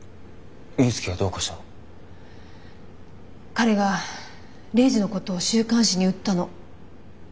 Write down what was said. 彼がレイジのことを週刊誌に売ったの。